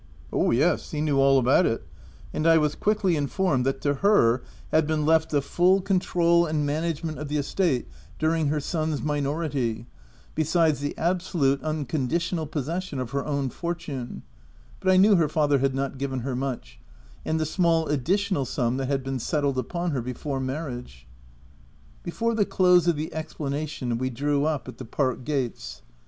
Oh yes, he knew all about it ; and I was quickly informed that to her had been left the full con 300 THE TENANT trol and management of the estate during her son's minority, besides the absolute, uncondi tional possession of her own fortune (but I knew her father had not given her much), and ^he small additional sum that had been settled upon her before marriage. Before the close of the explanation, we drew up at the park gates.